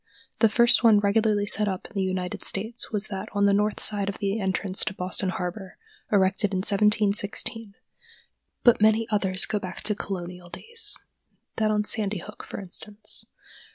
The first one regularly set up in the United States was that on the north side of the entrance to Boston harbor, erected in 1716; but many others go back to Colonial days—that on Sandy Hook, for instance.